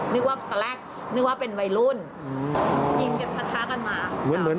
นึกว่านึกว่าเป็นวัยรุ่นอืมยิงกับทะทะกันมาเหมือนเหมือน